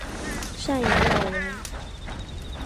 赡养老人